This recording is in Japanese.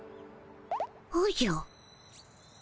おじゃ？